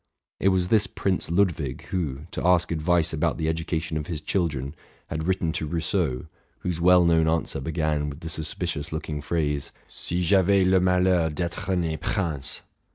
It was this Prince Ludwig who, to ask advice about the education of his children, had written to Rousseau, whose well known answer began with the sus picious looking phrase, '' Si j'avais le malheur @étre né prince."